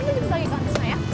neng jemput lagi kamisnya ya